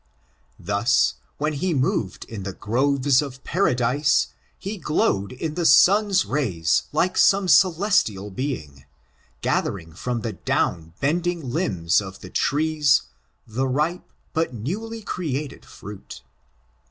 Thus, when he moved in the groves of Paradise, he glowed in the sim's rays like some celestial being, gathering from the down bend ing limbs of the trees the ripe but newly created fruit.